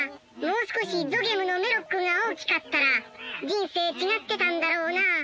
もう少しゾゲムのメロックが大きかったら人生違ってたんだろうなあ。